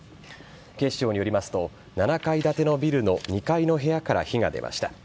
警視庁によりますと、７階建てのビルの２階の部屋から火が出ました。